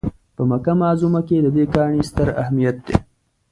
په مکه معظمه کې د دې کاڼي ستر اهمیت دی.